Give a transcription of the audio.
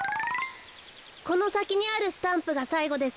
このさきにあるスタンプがさいごです。